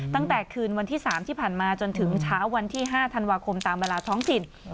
ตั้งแต่คืนวันที่๓ที่ผ่านมาจนถึงเช้าวันที่๕ธันวาคมตามเวลาท้องถิ่น